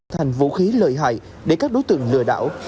thành vũ khí lợi hại để các đối tượng lừa đảo